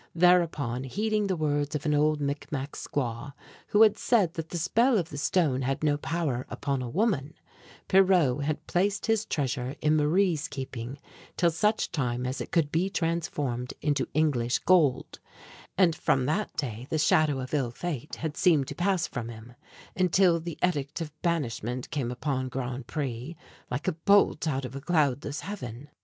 Thereupon, heeding the words of an old Micmac squaw, who had said that the spell of the stone had no power upon a woman, Pierrot had placed his treasure in Marie's keeping till such time as it could be transformed into English gold and from that day the shadow of ill fate had seemed to pass from him, until the edict of banishment came upon Grand Pré like a bolt out of a cloudless heaven.